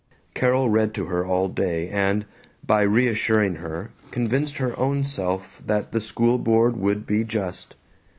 Carol read to her all day and, by reassuring her, convinced her own self that the school board would be just.